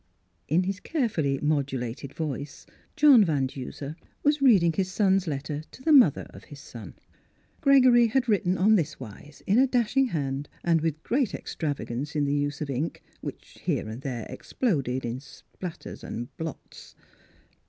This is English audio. In his carefully modulated voice John Van Duser was reading his son's letter to the mother of his son. Gregory had writ ten on this wise, in a dashing hand and Miss Philura's Wedding Gown with great extravagance in the use of ink which here and there exploded in spatters and blots.